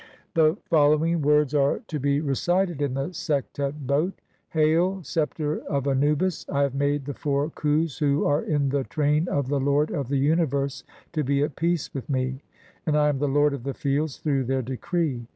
[The following] words are to be recited in the Sektet boat :— "[Hail,] (3) sceptre of Anubis, I have made the four Khus who "are in the train of the lord of the universe to be at peace with "me, and I am the lord of the fields through their decree.